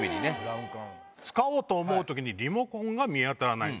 使おうと思う時にリモコンが見当たらない。